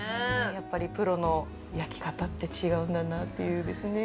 やっぱり、プロの焼き方って違うんだなっていうですね。